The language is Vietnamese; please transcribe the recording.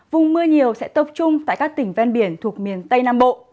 vùng mưa nhiều sẽ tập trung tại các tỉnh ven biển thuộc miền tây nam bộ